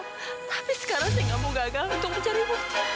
tapi sekarang saya enggak mau gagal untuk mencari bukti